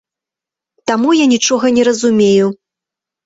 Таму я нічога не разумею.